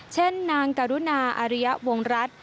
เช่นนางกรุณาอาริยะวงรัฐ